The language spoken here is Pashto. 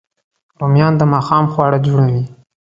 رومیان د ماښام خواړه جوړوي